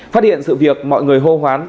phát hiện sự việc mọi người hô hoán